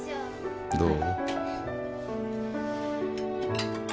どう？